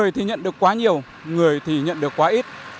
thì nhận được quá nhiều người thì nhận được quá ít